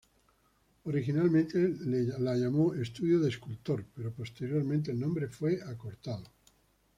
Originalmente la llamó 'Estudio de escultor', pero posteriormente, el nombre fue acortado.